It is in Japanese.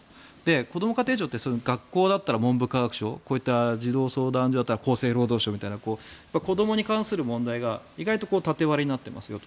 こども家庭庁って学校だったら文部科学省こういった児童相談所だったら厚生労働省みたいな子どもに関する問題が意外と縦割りになってますよと。